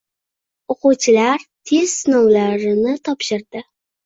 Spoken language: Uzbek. O‘quvchilar test sinovlarini topshirdi